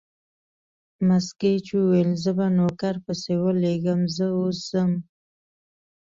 مس ګېج وویل: زه به نوکر پسې ولېږم، زه اوس ځم.